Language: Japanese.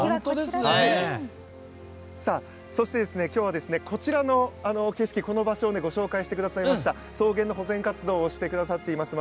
そして、今日はこちらの景色、この場所をご紹介してくださいました草原の保全活動をしてくださっています